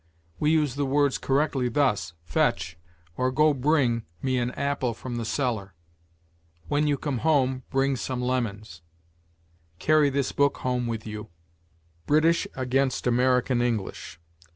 We use the words correctly thus: "Fetch, or go bring, me an apple from the cellar"; "When you come home bring some lemons"; "Carry this book home with you." BRITISH AGAINST AMERICAN ENGLISH.